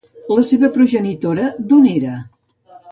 La seva progenitora, d'on era?